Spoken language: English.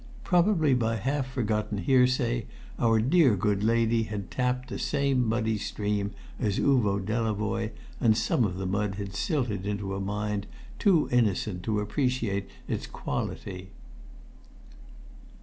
Probably by half forgotten hearsay, our dear good lady had tapped the same muddy stream as Uvo Delavoye, and some of the mud had silted into a mind too innocent to appreciate its quality.